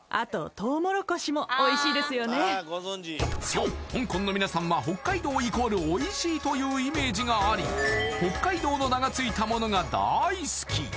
そう香港のみなさんは北海道イコールおいしいというイメージがあり北海道の名がついたものが大好き